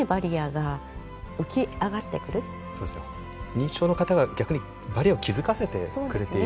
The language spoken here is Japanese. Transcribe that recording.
認知症の方が逆にバリアを気付かせてくれている面が。